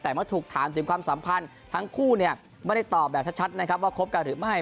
แต่เมื่อถูกถามถึงความสัมพันธ์ทั้งคู่เนี่ยไม่ได้ตอบแบบชัดนะครับว่าคบกันหรือไม่